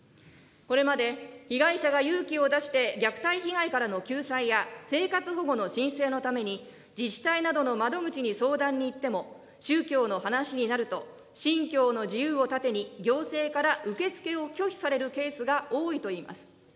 これまで被害者が勇気を出して虐待被害からの救済や、生活保護の申請のために、自治体などの窓口に相談に行っても、宗教の話になると、信教の自由を盾に、行政から受け付けを拒否されるケースが多いといいます。